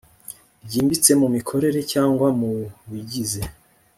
ryimbitse mu mikorere cyangwa mu bigize